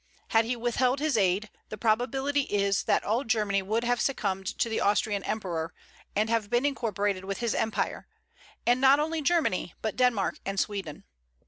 Had he withheld his aid, the probability is that all Germany would have succumbed to the Austrian emperor, and have been incorporated with his empire; and not only Germany, but Denmark and Sweden.